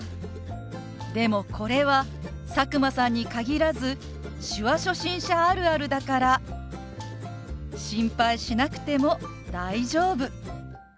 でもこれは佐久間さんに限らず手話初心者あるあるだから心配しなくても大丈夫。